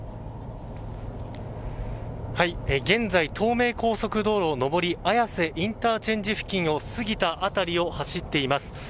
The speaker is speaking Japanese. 現在、東名高速道路上り綾瀬ＩＣ付近を過ぎた辺りを走っています。